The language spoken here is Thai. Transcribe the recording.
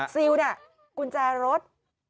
เซียลคุณแจรถ